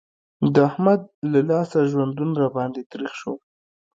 د احمد له لاسه ژوندون را باندې تريخ شو.